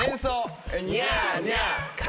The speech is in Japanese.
ニャーニャー。